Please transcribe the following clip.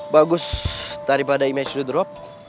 bagus daripada image drop